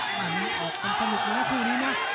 มันออกกันสนุกดูนะคู่นี้นะ